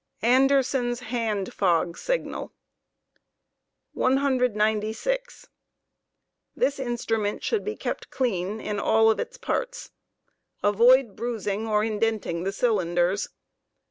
"ANDEBSON'S* HAND FOO SIGNAL. ^cie^iinea* 196. This instrument should be kept clean in all its parts. Avoid bruising or indenting the cylinders.